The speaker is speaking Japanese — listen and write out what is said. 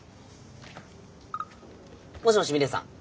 もしもしミレイさん。